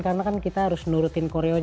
karena kan kita harus nurutin kompetensi